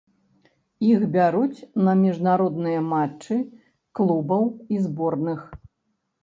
Іх бяруць на міжнародныя матчы клубаў і зборных.